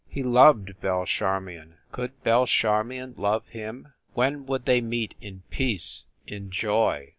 He loved Belle Char mion; could Belle Charmion love him? When would they meet in peace, in joy?